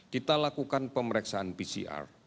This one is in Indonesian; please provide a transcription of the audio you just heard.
kita lakukan pemeriksaan pcr